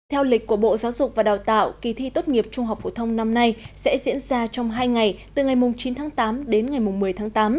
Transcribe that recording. theo lịch của bộ giáo dục và đào tạo kỳ thi tốt nghiệp trung học phổ thông năm nay sẽ diễn ra trong hai ngày từ ngày chín tháng tám đến ngày một mươi tháng tám